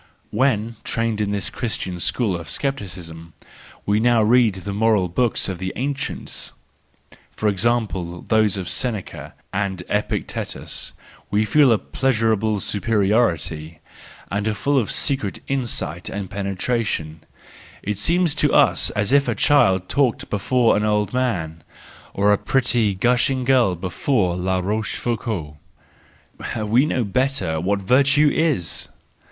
When, trained in this Christian school of scepticism, we THE JOYFUL WISDOM, III 1 6$ now read the moral books of the ancients, for example those of Seneca and Epictetus, we feel a pleasurable superiority, and are full of secret insight and penetration,—it seems to us as if a child talked before an old man, or a pretty, gushing girl before La Rochefoucauld:—we know better what virtue is